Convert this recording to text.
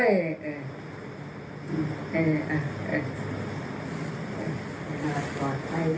โรงคุณหลอดโรงคุณแท่